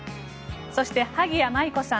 そして、萩谷麻衣子さん